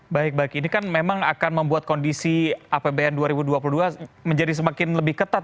baik baik ini kan memang akan membuat kondisi apbn dua ribu dua puluh dua menjadi semakin lebih ketat